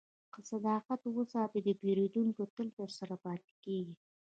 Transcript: که صداقت وساتې، پیرودونکی تل درسره پاتې کېږي.